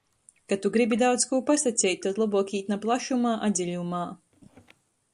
Ka tu gribi daudz kū pasaceit, tod lobuok īt na plašumā, a dziļumā.